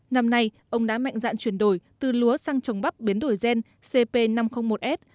năm nay ông đã mạnh dạn chuyển đổi từ lúa sang trồng bắp biến đổi gen cp năm trăm linh một s